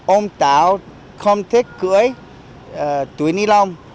ông táo không thích cưới túi ni lông